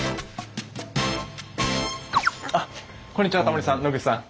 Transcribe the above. こんにちはタモリさん野口さん。